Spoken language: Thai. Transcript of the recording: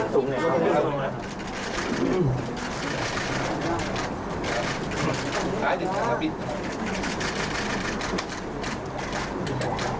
ตรงนี้ครับ